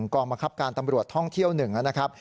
กองบังคับการตำรวจท่องเที่ยว๑นะครับ